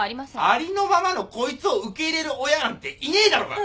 ありのままのこいつを受け入れる親なんていねえだろが。